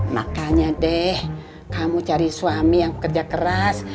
makanya deh kamu cari suami yang kerja keras